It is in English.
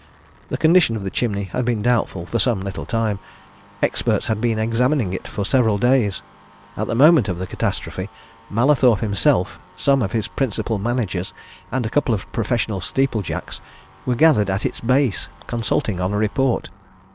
The condition of the chimney had been doubtful for some little time; experts had been examining it for several days: at the moment of the catastrophe, Mallathorpe himself, some of his principal managers, and a couple of professional steeple jacks, were gathered at its base, consulting on a report.